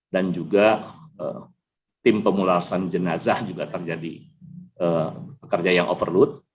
dan juga tim pemulasan jenazah juga terjadi pekerja yang overload